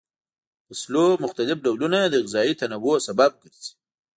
د فصلونو مختلف ډولونه د غذایي تنوع سبب ګرځي.